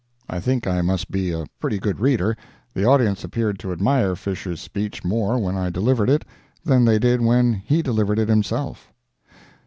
I think I must be a pretty good reader—the audience appeared to admire Fisher's speech more when I delivered it than they did when he delivered it himself.